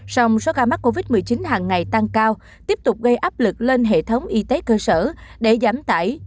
sông số ca mắc covid một mươi chín hàng ngày tăng cao tiếp tục gây áp lực lên hệ thống y tế cơ sở để giảm tải